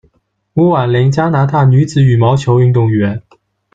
吴宛菱，加拿大女子羽毛球运动员。